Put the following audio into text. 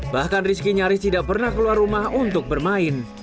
bahkan rizki nyaris tidak pernah keluar rumah untuk bermain